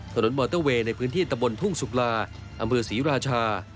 มอเตอร์เวย์ในพื้นที่ตะบนทุ่งสุกลาอำเภอศรีราชา